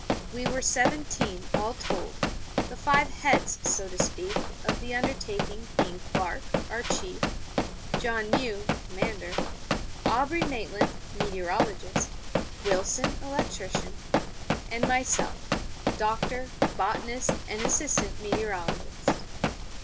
We were seventeen, all told, the five Heads (so to speak) of the undertaking being Clark (our Chief), John Mew (commander), Aubrey Maitland (meteorologist), Wilson (electrician), and myself (doctor, botanist, and assistant meteorologist).